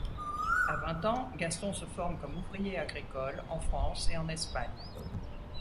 À vingt ans, Gaston se forme comme ouvrier agricole, en France et en Espagne.